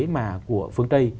mà của phương tây